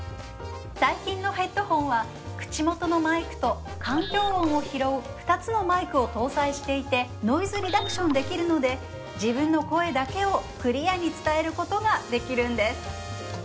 最近のヘッドホンは口元のマイクと環境音を拾う２つのマイクを搭載していてノイズリダクションできるので自分の声だけをクリアに伝えることができるんです